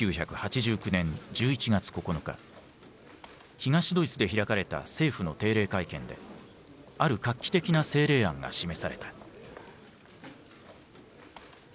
東ドイツで開かれた政府の定例会見である画期的な政令案が示された。